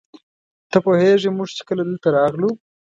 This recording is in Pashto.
ته پوهېږې موږ چې کله دلته راغلو.